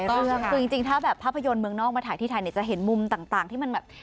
ถูกต้องคือจริงถ้าแบบภาพยนตร์เมืองนอกมาถ่ายที่ไทยเนี่ยจะเห็นมุมต่างที่มันแบบ